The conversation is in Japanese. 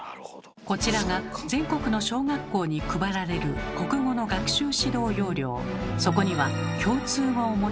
こちらが全国の小学校に配られる国語の学習指導要領。